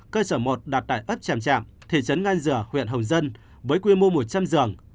cơ sở một đặt tại ớt chèm chạm thị trấn ngan giở huyện hồng dân với quy mô một trăm linh giường